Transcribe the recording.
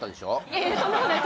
いやいやとんでもない。